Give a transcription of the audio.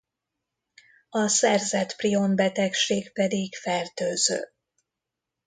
A szerzett prion betegség pedig fertőző.